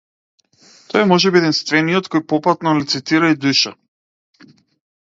Тој е можеби единствениот кој попатно лицитира и душа.